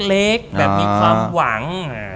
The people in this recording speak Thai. แบบมีความหวัง